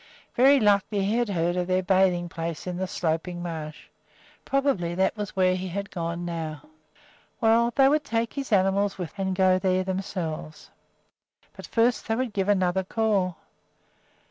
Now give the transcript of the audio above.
Very likely he had heard of their bathing place in the Sloping Marsh. Probably that was where he had gone now. Well, they would take his animals with them and go there themselves; but first they would give another call.